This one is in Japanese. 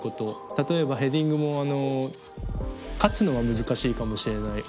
例えばヘディングも勝つのは難しいかもしれないおっきい選手に。